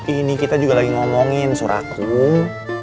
ini kita juga lagi ngomongin surat kum